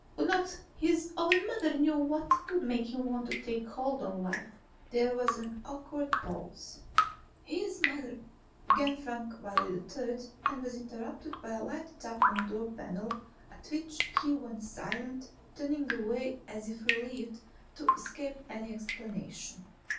"Would not his own mother know what would make him want to take hold on life?" There was an awkward pause. "His mother," began Frank Wiley III and was interrupted by a light tap on the door panel, at which he went silent, turning away as if relieved to escape any explanation.